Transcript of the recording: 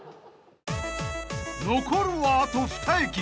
［残るはあと２駅］